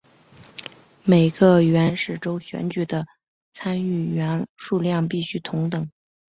每个原始州选举的参议员数量必须同等。